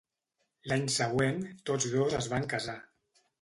L'any següent, tots dos es van casar.